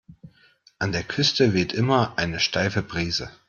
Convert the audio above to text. An der Küste weht immer eine steife Brise.